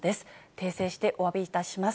訂正しておわびいたします。